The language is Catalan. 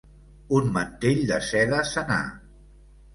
Un mantell de seda senar.